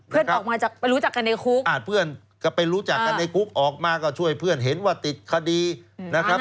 ออกมาจากไปรู้จักกันในคุกเพื่อนก็ไปรู้จักกันในคุกออกมาก็ช่วยเพื่อนเห็นว่าติดคดีนะครับ